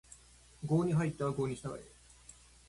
郷に入っては郷に従え